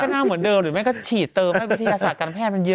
หน้าเหมือนเดิมหรือไม่ก็ฉีดเติมให้วิทยาศาสตร์การแพทย์มันเยอะ